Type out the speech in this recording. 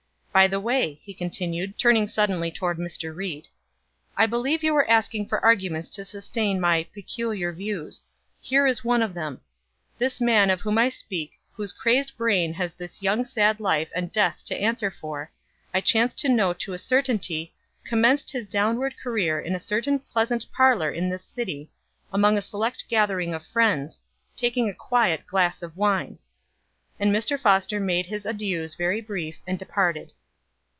By the way" he continued, turning suddenly toward Mr. Ried "I believe you were asking for arguments to sustain my 'peculiar views.' Here is one of them: This man of whom I speak, whose crazed brain has this young sad life and death to answer for, I chance to know to a certainty commenced his downward career in a certain pleasant parlor in this city, among a select gathering of friends, taking a quiet glass of wine!" And Mr. Foster made his adieus very brief, and departed.